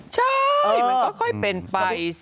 ใช่มันค่อยเป็นไปสิ